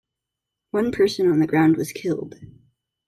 One person on the ground was killed.